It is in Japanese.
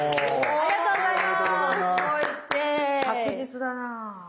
ありがとうございます。